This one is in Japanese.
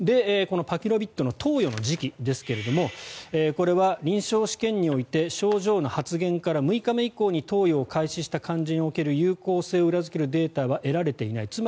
このパキロビッドの投与の時期ですがこれは臨床試験において症状の発現から６日目以降に投与を開始した患者における有効性を裏付けるデータは得られていない。